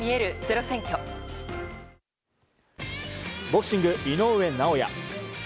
ボクシング、井上尚弥。